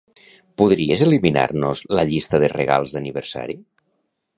Podries eliminar-nos la llista de regals d'aniversari?